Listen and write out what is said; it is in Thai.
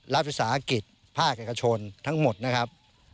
รัฐศึกษาอากิษฐ์ภาคกระชนทั้งหมดนะครับ